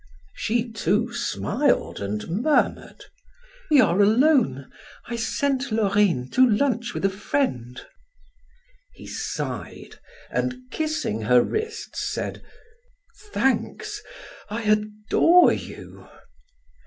She too smiled and murmured: "We are alone. I sent Laurine to lunch with a friend." He sighed, and kissing her wrists said: "Thanks; I adore you."